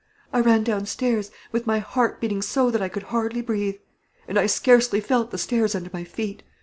I ran down stairs, with my heart beating so that I could hardly breathe; and I scarcely felt the stairs under my feet.